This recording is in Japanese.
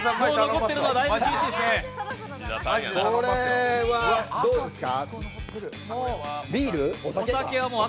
これはどうですか？